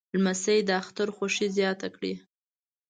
لمسی د اختر خوښي زیاته کړي.